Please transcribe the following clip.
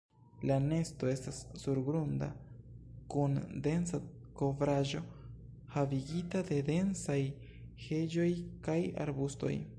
La nesto estas surgrunda, kun densa kovraĵo havigita de densaj heĝoj kaj arbustoj.